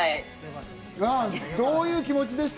どういう気持ちでした？